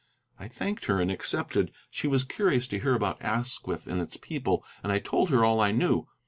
I thanked her and accepted. She was curious to hear about Asquith and its people, and I told her all I knew.